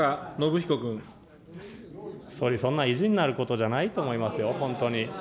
総理、そんな意地になることじゃないと思いますよ、本当に。